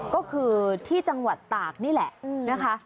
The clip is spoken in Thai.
ก็คือที่จังหวัดตากนี่แหละนะคะ